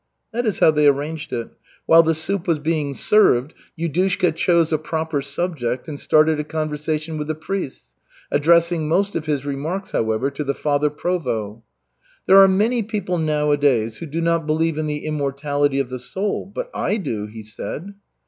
That is how they arranged it. While the soup was being served, Yudushka chose a proper subject and started a conversation with the priests, addressing most of his remarks, however, to the Father Provost. "There are many people nowadays who do not believe in the immortality of the soul, but I do," he said.